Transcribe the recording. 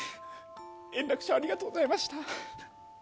円楽師匠、ありがとうございました。